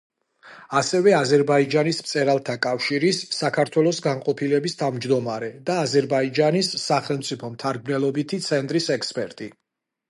ასევე აზერბაიჯანის მწერალთა კავშირის საქართველოს განყოფილების თავმჯდომარე და „აზერბაიჯანის სახელმწიფო მთარგმნელობითი ცენტრის“ ექსპერტი.